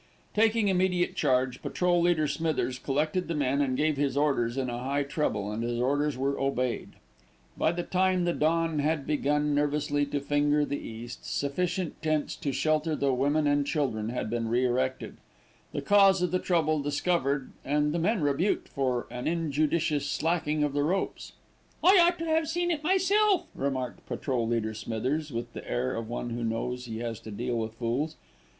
Taking immediate charge, Patrol leader Smithers collected the men and gave his orders in a high treble, and his orders were obeyed. By the time the dawn had begun nervously to finger the east, sufficient tents to shelter the women and children had been re erected, the cause of the trouble discovered, and the men rebuked for an injudicious slacking of the ropes. "I ought to have seen to it myself," remarked Patrol leader Smithers with the air of one who knows he has to deal with fools.